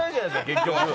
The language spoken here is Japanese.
結局。